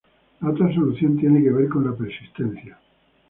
La otra solución tiene que ver con la persistencia.